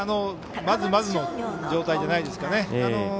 まずまずの状態じゃないですかね。